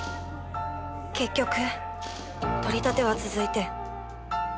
結局取り立ては続いて。